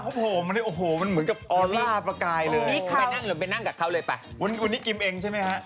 วันนี้กิมเองใช่ไหมฮะ